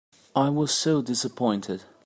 I was so dissapointed.